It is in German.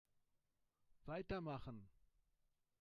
Weitermachen!